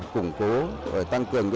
củng cố và tăng cường